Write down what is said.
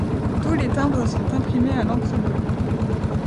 Tous les timbres sont imprimés à l'encre bleue.